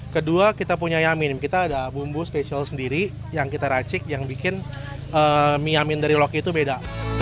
kedua kita punya yamin kita ada bumbu spesial sendiri yang kita racik yang bikin mie yamin dari loki itu beda